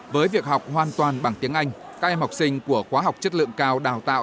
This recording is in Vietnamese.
với việc học hoàn toàn bằng tiếng anh các em học sinh của khóa học chất lượng cao đào tạo